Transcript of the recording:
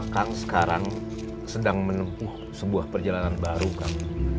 kan sekarang sedang menempuh sebuah perjalanan baru kan